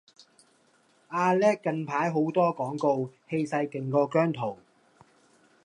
阿叻近排好多廣告，氣勢勁過姜濤